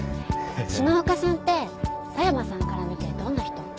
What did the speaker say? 島岡さんって佐山さんから見てどんな人？